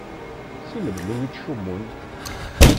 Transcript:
Si melmi i ttcummun?